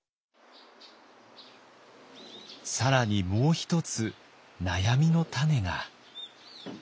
更にもう一つ悩みの種が。